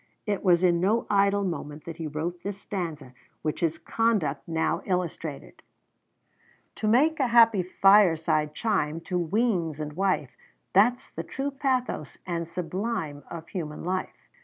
It was in no idle moment that he wrote this stanza, which his conduct now illustrated: "To make a happy fireside chime To weans and wife, That's the true pathos and sublime Of human life."